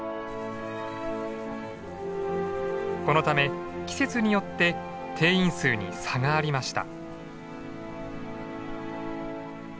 このため季節によって定員数に差がありました。